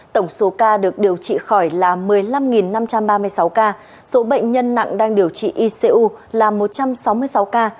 tổng số ca được điều trị khỏi là một mươi năm năm trăm ba mươi sáu ca số bệnh nhân nặng đang điều trị icu là một trăm sáu mươi sáu ca